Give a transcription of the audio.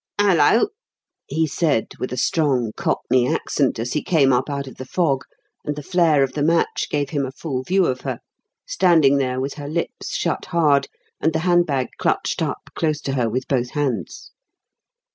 "'Ullo!" he said with a strong Cockney accent, as he came up out of the fog, and the flare of the match gave him a full view of her, standing there with her lips shut hard, and, the hand bag clutched up close to her with both hands.